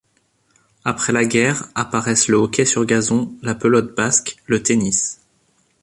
Après la guerre apparaissent le hockey sur gazon, la pelote basque, le tennis.